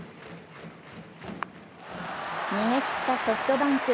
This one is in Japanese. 逃げきったソフトバンク。